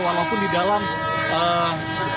walaupun di dalam gedung dpr mpr